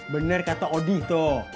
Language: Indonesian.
bener kata odi toh